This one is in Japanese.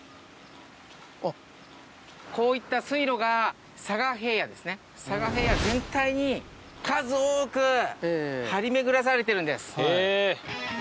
こういった水路が佐賀平野佐賀平野全体に数多く張り巡らされてるんです。